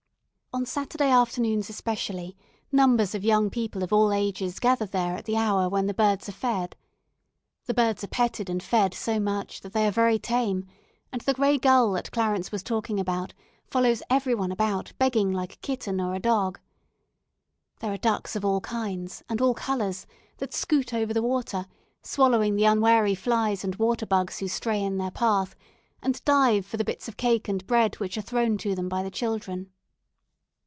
On Saturday afternoons especially, numbers of young people of all ages gather there at the hour when the birds are fed. The birds are petted and fed so much that they are very tame, and the gray gull that Clarence was talking about, follows every one about begging like a kitten or a dog. There are ducks of all kinds, and all colours, that scoot over the water, swallowing the unwary flies and waterbugs who stray in their path, and dive for the bits of cake and bread which are thrown to them by the children.